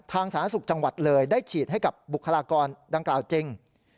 สาธารณสุขจังหวัดเลยได้ฉีดให้กับบุคลากรดังกล่าวจริง